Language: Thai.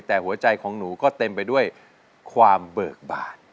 แต่หัวใจของหนูก็เต็มไปด้วยความเบิกบาน